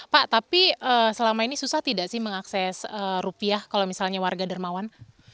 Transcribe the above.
pak tapi selama ini susah tidak sih mengakses rupiah kalau misalnya warga dermawan